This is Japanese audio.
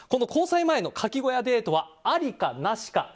交際前のかき小屋デートはありかなしか。